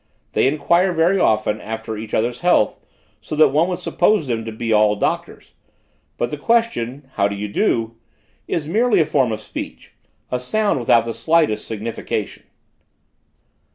They inquire very often after each other's health, so that one would suppose them to be all doctors; but the question: how do you do? is merely a form of speech; a sound without the slightest signification.